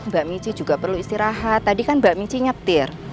mbak mici juga perlu istirahat tadi kan mbak mici nyetir